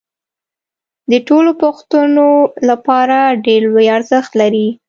د ټولو پښتنو لپاره ډېر لوی ارزښت لري